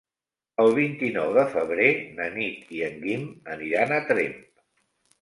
El vint-i-nou de febrer na Nit i en Guim aniran a Tremp.